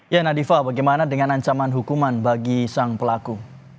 ya nadiva bagaimana dengan ancaman hukuman bagi sang pelaku